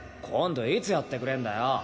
今度いつやってくれるんだよ！